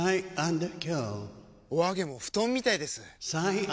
お揚げも布団みたいです！